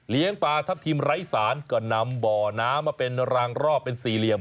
ปลาทัพทิมไร้สารก็นำบ่อน้ำมาเป็นรางรอบเป็นสี่เหลี่ยม